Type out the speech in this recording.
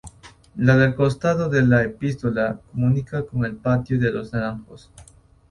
La del costado de la Epístola comunica con el Patio de los Naranjos.